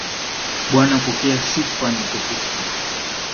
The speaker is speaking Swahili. Bwana pokea sifa na utukufu.